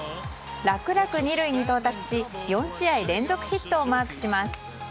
楽々２塁に到達し４試合連続ヒットをマークします。